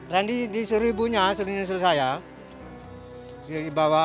rendy disuruh ibunya disuruh saya